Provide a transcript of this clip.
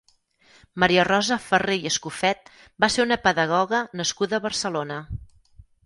Maria Rosa Farré i Escofet va ser una pedagoga nascuda a Barcelona.